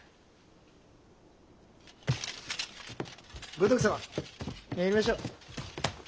五徳様参りましょう。